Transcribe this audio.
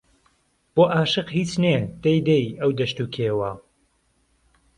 بۆ ئاشق هیچ نێ دەی دەی ئەو دەشت و کێوە